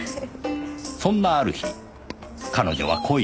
そんなある日“彼女”は恋に落ちた